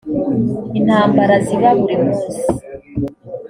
intambara ziba burimunsi.